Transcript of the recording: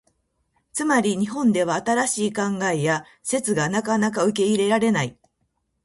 つまり、日本では新しい考えや説がなかなか受け入れられない。